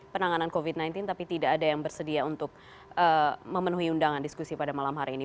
penanganan covid sembilan belas tapi tidak ada yang bersedia untuk memenuhi undangan diskusi pada malam hari ini